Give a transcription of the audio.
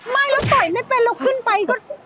ไม่แล้วต่อยไม่เป็นเราขึ้นไปก็